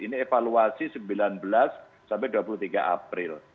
ini evaluasi sembilan belas sampai dua puluh tiga april